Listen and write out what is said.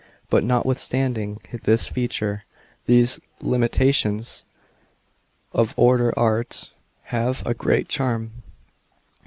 But notwithstanding this feature, these imitations <>t older art have a great charm.